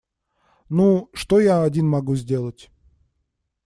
Ну, что я один могу сделать?